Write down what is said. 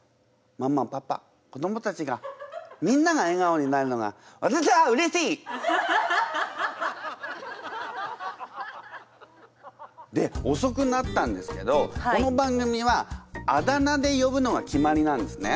ママパパ子どもたちがみんながえがおになるのがわたしはうれしい！でおそくなったんですけどこの番組はあだ名で呼ぶのが決まりなんですね。